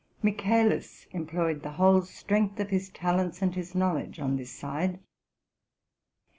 Michaelis employed the whole strength of his talents and his knowl edge on this side.